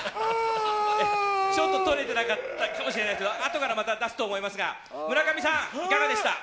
ちょっと撮れてなかったかもしれないですけどあとからまた出すと思いますが村上さん、いかがでしたか。